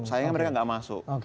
sayangnya mereka gak masuk